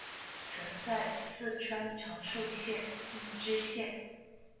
曾在四川长寿县任知县。